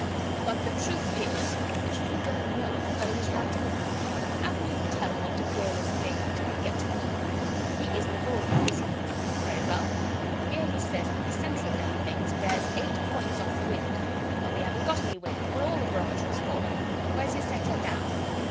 "But the truth is that you don't know if the fellow is right, anyhow. How can you tell what a gale is made of till you get it? He isn't aboard here, is he? Very well. Here he says that the centre of them things bears eight points off the wind; but we haven't got any wind, for all the barometer falling. Where's his centre now?"